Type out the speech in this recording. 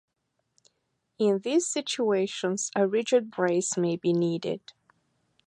In these situations, a rigid brace may be needed.